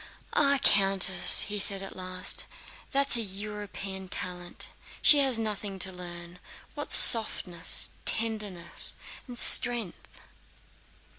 "Ah, Countess," he said at last, "that's a European talent, she has nothing to learn—what softness, tenderness, and strength...."